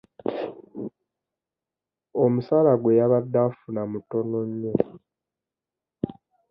Omusaala gwe yabadde afuna mutono nnyo .